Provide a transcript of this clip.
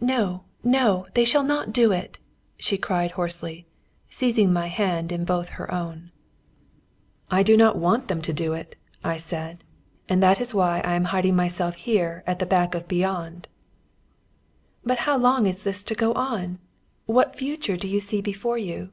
"No, no! They shall not do it!" she cried hoarsely, seizing my hand in both her own. "I do not want them to do it," I said, "and that is why I am hiding myself here at the back of beyond." "But how long is this to go on? What future do you see before you?"